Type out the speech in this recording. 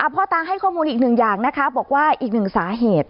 พ่อตาให้ข้อมูลอีกหนึ่งอย่างนะคะบอกว่าอีกหนึ่งสาเหตุ